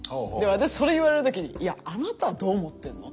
私それ言われる時にいやあなたはどう思ってんの？